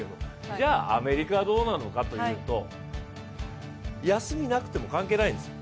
じゃあアメリカはどうなのかというと休みなくても関係ないんですよ。